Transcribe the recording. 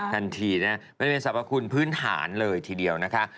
ทันทีนะมันเป็นสรรพคุณพื้นฐานเลยทีเดียวนะคะ